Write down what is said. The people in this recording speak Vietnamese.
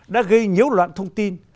đã gây nhếu loạn thông tin